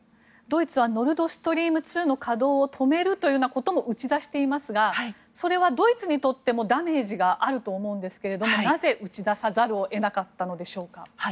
ドイツはノルドストリーム２の稼働を止めることも打ち出していますがそれはドイツにとってもダメージがあると思うんですがなぜ打ち出さざるを得なかったのでしょうか。